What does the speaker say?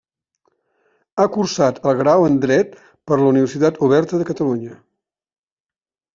Ha cursat el grau en Dret per la Universitat Oberta de Catalunya.